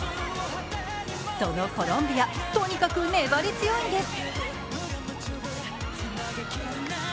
そのコロンビア、とにかく粘り強いんです。